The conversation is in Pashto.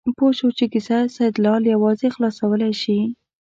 پوه شو چې کیسه سیدلال یوازې خلاصولی شي.